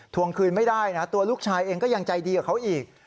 ทวงคืนไม่ได้นะตัวลูกชายเองก็ยังใจดีกว่าเขาอีก